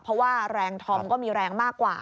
เพราะว่าแรงธอมก็มีแรงมากกว่า